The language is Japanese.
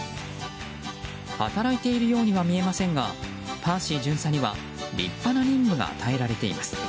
働いているようには見えませんがパーシー巡査には立派な任務が与えられています。